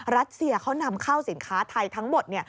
รัสเซียเขานำเข้าสินค้าไทยทั้งหมด